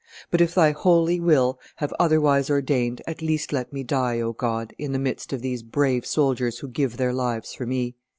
But if Thy holy will have otherwise ordained, at least let me die, O God, in the midst of these brave soldiers who give their lives for me!"